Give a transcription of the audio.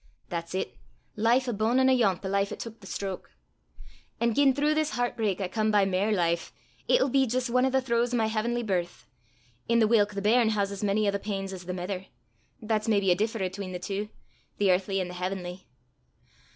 That's it! Life abune an' 'ayont the life 'at took the stroke! An' gien throuw this hert brak I come by mair life, it'll be jist ane o' the throes o' my h'avenly birth i' the whilk the bairn has as mony o' the pains as the mither: that's maybe a differ 'atween the twa the earthly an' the h'avenly!